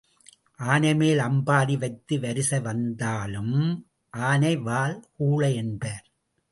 ஆனைமேல் அம்பாரி வைத்து வரிசை வந்தாலும் ஆனை வால் கூழை என்பார்.